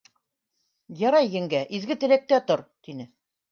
— Ярай, еңгә, изге теләктә тор, — тине.